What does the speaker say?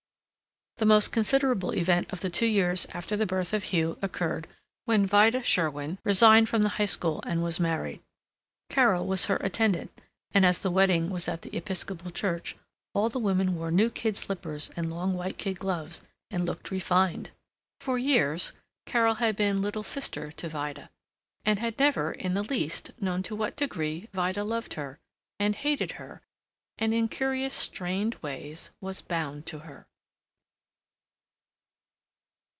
The most considerable event of the two years after the birth of Hugh occurred when Vida Sherwin resigned from the high school and was married. Carol was her attendant, and as the wedding was at the Episcopal Church, all the women wore new kid slippers and long white kid gloves, and looked refined. For years Carol had been little sister to Vida, and had never in the least known to what degree Vida loved her and hated her and in curious strained ways was bound to her.